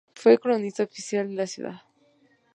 Fue Cronista Oficial de la Ciudad.